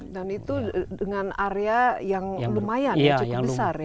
dan itu dengan area yang lumayan yang cukup besar ya